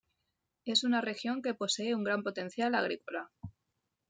Es una región que posee un gran potencial agrícola.